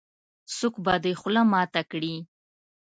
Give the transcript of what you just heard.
-څوک به دې خوله ماته کړې.